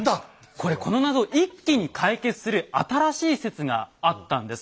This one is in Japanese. これこのナゾを一気に解決する新しい説があったんです。